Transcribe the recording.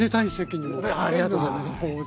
ありがとうございます。